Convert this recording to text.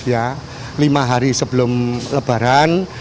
jadi ya lima hari sebelum lebaran